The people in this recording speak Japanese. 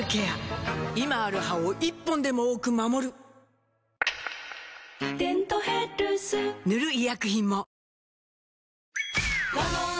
今ある歯を１本でも多く守る「デントヘルス」塗る医薬品も